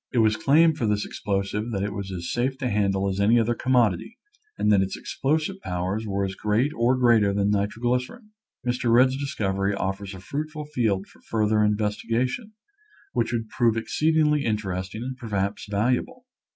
It was claimed for this explosive that it was as safe to handle as any other commodity and that its explosive powers were as great or greater than nitroglycerin. Mr. Rudd's discovery offers a fruitful field for further in vestigation, which would prove exceedingly interesting and perhaps valuable.